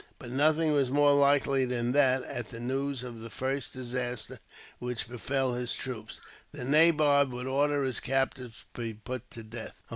But nothing was more likely than that, at the news of the first disaster which befell his troops, the nabob would order his captives to be put to death.